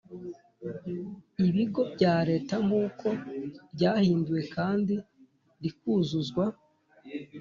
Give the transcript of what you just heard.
ibigo bya Leta nk uko ryahinduwe kandi rikuzuzwa